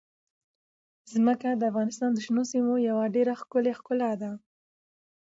ځمکه د افغانستان د شنو سیمو یوه ډېره ښکلې ښکلا ده.